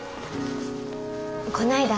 こないだ